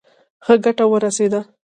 ښه ګټه ورسېده.